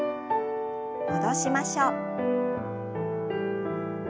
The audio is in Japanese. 戻しましょう。